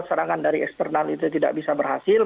serangan dari eksternal itu tidak bisa berhasil